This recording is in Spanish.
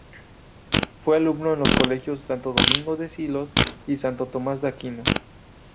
Fue alumno en los colegios Santo Domingo de Silos y Santo Tomás de Aquino.